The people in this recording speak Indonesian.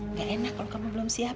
nggak enak kalau kamu belum siap